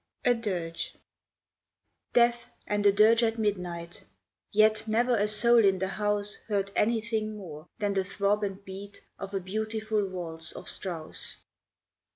A DIRGE Death and a dirge at midnight; Yet never a soul in the house Heard anything more than the throb and beat Of a beautiful waltz of Strauss.